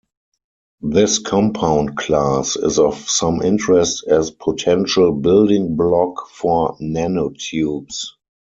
This compound class is of some interest as potential building block for nanotubes.